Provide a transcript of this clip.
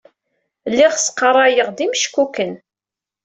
Lliɣ sqarrayeɣ-d imeckuken.